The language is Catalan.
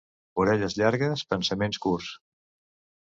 Orelles llargues, pensaments curts.